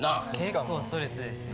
結構ストレスですね。